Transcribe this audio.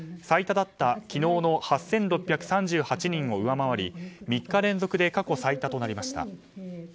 最多だった昨日の８６３８人を上回り３日連続で過去最多となりました。